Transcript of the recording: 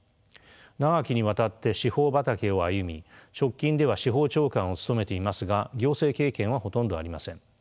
長きにわたって司法畑を歩み直近では司法長官を務めていますが行政経験はほとんどありません。